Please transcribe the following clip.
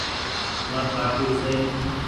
مآر ڪآڪي ڇي ۔